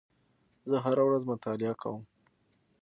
زه هره ورځ مطالعه کوم.